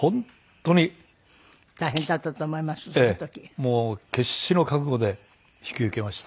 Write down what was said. もう決死の覚悟で引き受けました。